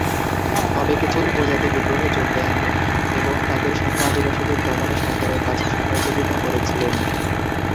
তবে কিছু উপজাতি বিদ্রোহে যোগ দেয়নি এবং তাদের সহ-আদিবাসীদের দমনে সরকারের সাথে সহযোগিতা করেছিলেন।